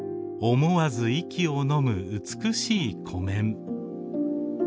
思わず息をのむ美しい湖面。